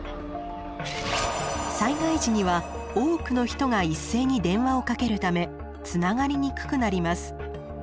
災害時には多くの人が一斉に電話をかけるためつながりにくくなります。